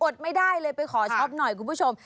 ไม่ได้เลยไปขอช็อปหน่อยคุณผู้ชม